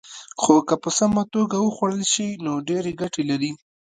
خو که په سمه توګه وخوړل شي، نو ډېرې ګټې لري.